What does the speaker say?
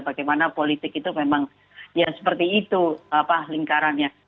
bagaimana politik itu memang ya seperti itu lingkarannya